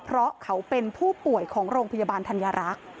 เพราะเขาเป็นผู้ป่วยของโรงพยาบาลธัญรักษ์